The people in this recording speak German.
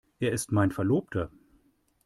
Er ist mein Verlobter.